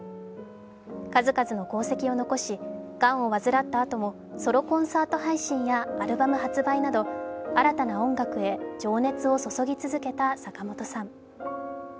数々の功績を残し、がんを患ったあともソロコンサート配信やアルバム発売など新たな音楽へ、情熱を注ぎ続けた坂本さん。